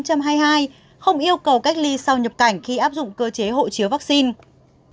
không yêu cầu cách ly sau nhập cảnh khi áp dụng cơ chế hộ chiếu vaccine